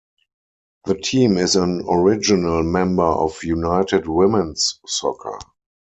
The team is an original member of United Women's Soccer.